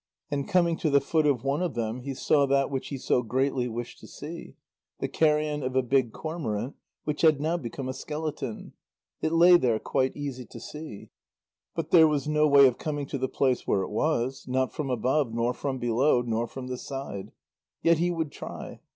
And coming to the foot of one of them, he saw that which he so greatly wished to see; the carrion of a big cormorant, which had now become a skeleton. It lay there quite easy to see. But there was no way of coming to the place where it was, not from above nor from below, nor from the side. Yet he would try.